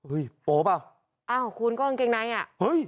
เฮ้ยโปะอ้าวของคุณก็กางเกงไนท์อ่ะเฮ้ย